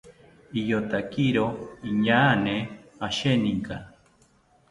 Iyotakiro inaañe asheninka